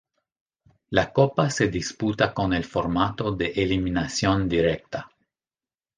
La copa se disputa con el formato de eliminación directa.